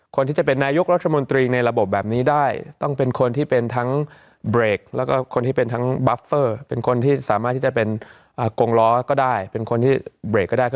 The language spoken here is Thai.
คนที่จะเป็นนายกรัฐมนตรีในระบบแบบนี้ได้ต้องเป็นคนที่เป็นทั้งเบรกแล้วก็คนที่เป็นทั้งบัฟเฟอร์เป็นคนที่สามารถที่จะเป็นกงล้อก็ได้เป็นคนที่เบรกก็ได้